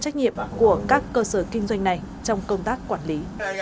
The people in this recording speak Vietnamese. hợp tác của các cơ sở kinh doanh này trong công tác quản lý